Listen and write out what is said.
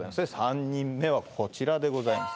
３人目はこちらでございます